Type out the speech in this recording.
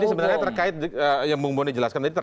ini sebenarnya terkait yang bung boni jelaskan tadi